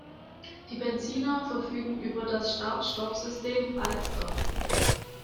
Die Benziner verfügen über das Start-Stopp-System „i-stop“.